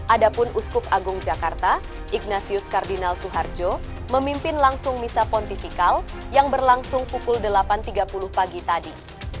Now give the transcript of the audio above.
ada pun uskup agung jakarta ignatius kardinal soeharjo memimpin langsung misa pontifikal yang berlangsung pukul delapan tiga puluh pagi tadi